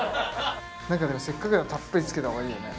何かでもせっかくだからたっぷりつけたほうがいいよね